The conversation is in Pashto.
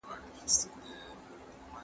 تاریخي داستانونه باید له مبالغې پاک وي.